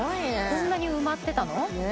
こんなに埋まってたの？